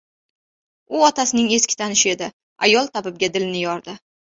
U otasining eski tanishi edi. Ayol tabibga dilini yordi: